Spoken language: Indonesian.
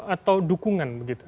atau dukungan begitu